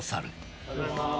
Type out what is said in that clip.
おはようございます。